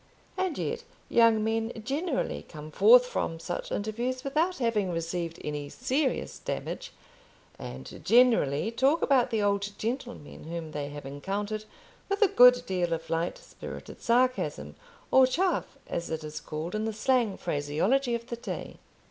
And yet, young men generally come forth from such interviews without having received any serious damage, and generally talk about the old gentlemen whom they have encountered with a good deal of light spirited sarcasm, or chaff, as it is called in the slang phraseology of the day.